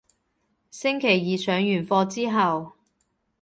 星期二上完課之後